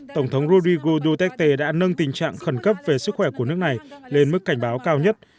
tổng thống rodrigo duterte đã nâng tình trạng khẩn cấp về sức khỏe của nước này lên mức cảnh báo cao nhất